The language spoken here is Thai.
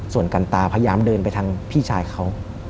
ส่วนกันตาพยายามเดินไปทางพี่ชายเขา